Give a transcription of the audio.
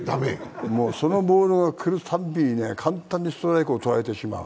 そのボールが来るたびに、簡単にストライクを取られてしまう。